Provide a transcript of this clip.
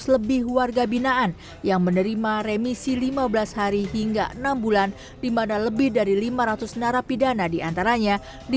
seratus lebih warga binaan yang menerima remisi lima belas hari hingga enam bulan dimana lebih dari lima ratus narapidana diantaranya di